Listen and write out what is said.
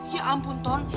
ya ampun ton